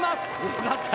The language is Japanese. よかった。